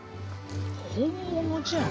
本物じゃん。